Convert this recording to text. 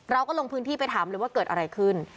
เราก็ลงพื้นที่ไปถามเลยว่าเกิดอะไรขึ้น